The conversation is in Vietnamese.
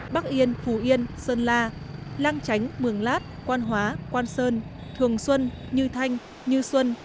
bắc yên phù yên sơn la lang chánh mường lát quan hóa quan sơn thường xuân như thanh như xuân